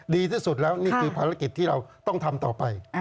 ดีที่สุดแล้วนี่คือภารกิจที่เราต้องทำต่อไป